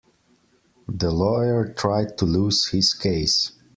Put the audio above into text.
The lawyer tried to lose his case.